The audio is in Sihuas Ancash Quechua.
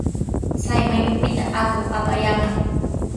Chay mayupitami aqu apayaamun.